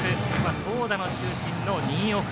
投打の中心の新岡。